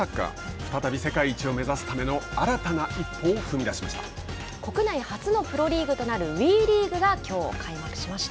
再び世界一を目指すための新たな一歩を国内初のプロリーグとなるＷＥリーグがきょう、開幕しました。